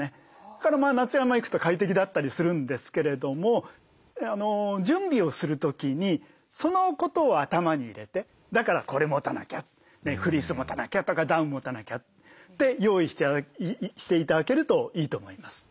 だから夏山行くと快適だったりするんですけれども準備をする時にそのことを頭に入れてだからこれ持たなきゃフリース持たなきゃとかダウン持たなきゃって用意して頂けるといいと思います。